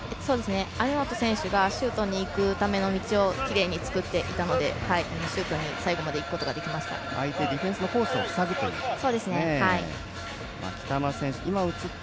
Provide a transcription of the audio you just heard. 網本選手がシュートにいくための道をきれいに作っていたのでシュートに最後まで相手のディフェンスのコースを塞ぐという。